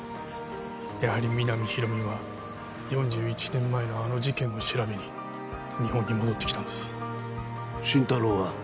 やはり皆実広見は４１年前のあの事件を調べに日本に戻ってきたんです心太朗は？